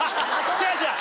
違う違う！